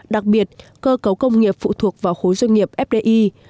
đặc biệt cơ cấu công nghiệp phụ thuộc vào khối doanh nghiệp fdi